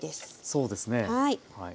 そうですね。